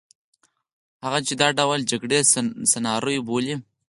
هغه چې دا ډول جګړې سناریو بولي.